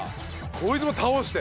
こいつも倒して。